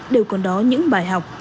đều còn đó những bài học